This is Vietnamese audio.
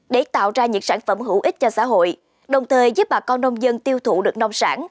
để tạo ra những sản phẩm hữu ích cho xã hội đồng thời giúp bà con nông dân tiêu thụ được nông sản